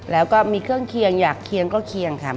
แล้วก็มีเครื่องเคียงอยากเคียงก็เคียงค่ะ